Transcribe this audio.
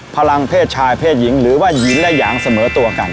พลังเพศชายเพศหญิงหรือว่าหญิงและหยางเสมอตัวกัน